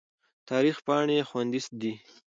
تاریخ پاڼې خوندي دي.